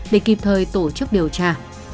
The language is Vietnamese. để kịp thời tổ chức điều tra